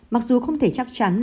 mặc dù không thể chắc chắn